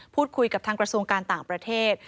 พูดคุยกับทางกระทรวงการต่างประเทศ